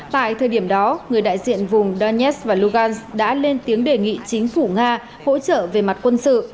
tại thời điểm đó người đại diện vùng danets và lugan đã lên tiếng đề nghị chính phủ nga hỗ trợ về mặt quân sự